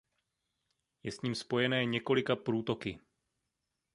Je s ním spojené několika průtoky.